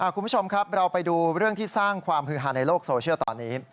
คุณผู้ชมครับเราไปดูเรื่องที่สร้างความฮือฮาในโลกโซเชียลตอนนี้